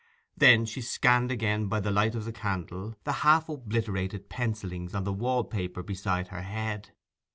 Then she scanned again by the light of the candle the half obliterated pencillings on the wall paper beside her head.